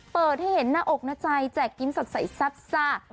เปิดให้เห็นหน้าอกหน้าใจแจกยิ้มสดใสซับซ่า